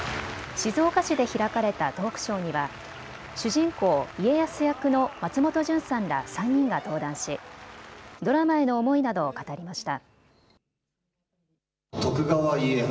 静岡市で開かれたトークショーには主人公、家康役の松本潤さんら３人が登壇しドラマへの思いなどを語りました。